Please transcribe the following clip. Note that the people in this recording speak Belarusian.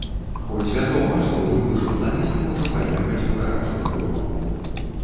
Хоць вядома, што любы журналіст хоча паехаць у гарачую кропку.